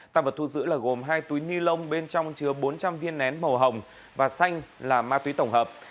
tăng vật thu giữ là gồm hai túi ni lông bên trong chứa bốn trăm linh viên nén màu hồng và xanh là ma túy tổng hợp